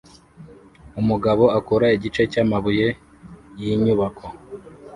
Umugabo akora igice cyamabuye yinyubako